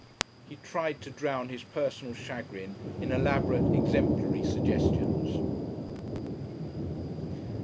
He tried to drown his personal chagrin in elaborate exemplary suggestions....